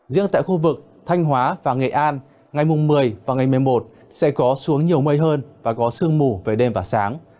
riêng tại khu vực thanh hóa và nghệ an ngày mùng một mươi và ngày một mươi một sẽ có xuống nhiều mây hơn và có sương mù về đêm và sáng